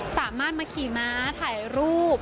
สามารถมาขี่ม้าถ่ายรูป